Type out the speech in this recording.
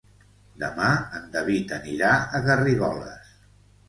Demà en David anirà a Garrigoles.